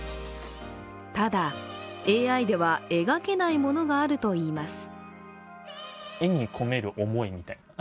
ただＡＩでは描けないものがあるといいます。